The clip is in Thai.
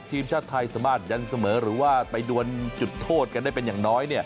ทีมชาติไทยสามารถยันเสมอหรือว่าไปดวนจุดโทษกันได้เป็นอย่างน้อย